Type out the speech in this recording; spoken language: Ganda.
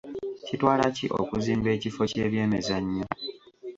KItwala ki okuzimba ekifo ky'ebyemizannyo?